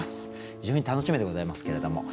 非常に楽しみでございますけれども。